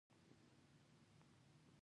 که نه نو په کوچنۍ تېروتنې به مو وباسم